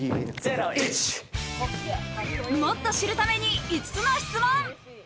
もっと知るために５つの質問。